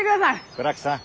倉木さん。